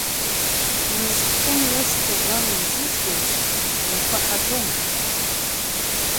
Изтәхәым иашьҭоу гәам еизызгаз, иухаҳаӡом.